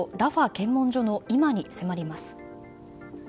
検問所の今に迫ります。